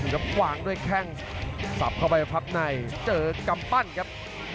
ครับวางด้วยแข้งสับเข้าไปพับในเจอกำปั้นครับ